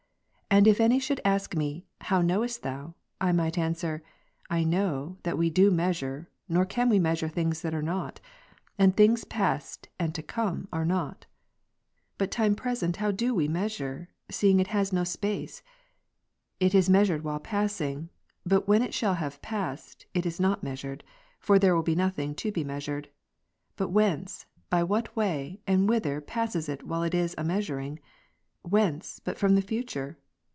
And if any should ask me, " How knowest thou ?" I might answer, " I know, that we do measure, nor can we measure things that are not ; and things past and to come, are not." But time pre sent how do we measure, seeing it hath no space? It is measured while passing, but when it shall have past, it is not measured ; for there will be nothing to be measured. But whence, by what way, and whither passes it while it is a measuring? whence, but from the future